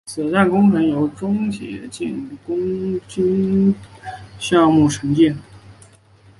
此站工程由中铁建工集团京沪高铁滕州东站项目部承建。